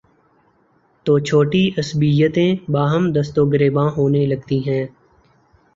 تو چھوٹی عصبیتیں باہم دست وگریباں ہونے لگتی ہیں۔